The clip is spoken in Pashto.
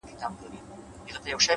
د ذهن رڼا د ژوند لار روښانوي’